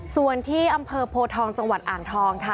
ส่วนที่อำเภอโพทองจังหวัดอ่างทองค่ะ